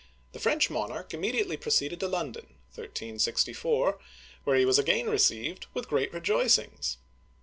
'* the French monarch immediately pro ceeded to London (1364), where he was again received with gre^t rejoicings.